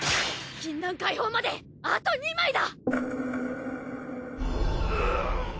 禁断解放まであと１枚だ！